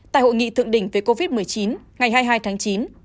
tại hội nghị thượng đỉnh về covid một mươi chín ngày hai mươi hai tháng chín